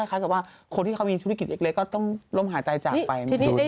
แค้นกับคนที่มีธุรกิจเล็กก็ล้มหายจะจับไป